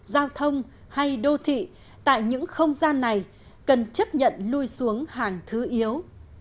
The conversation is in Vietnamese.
giao thông hay đô thị tại những không gian này cần chấp nhận lui xuống hàng thứ yếu